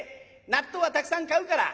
納豆はたくさん買うから。